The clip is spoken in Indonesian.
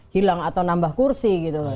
hilang atau nambah kursi gitu loh